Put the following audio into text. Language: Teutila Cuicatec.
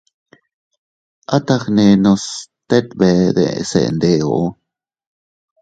At agnenos tet bee deʼese ndeʼo.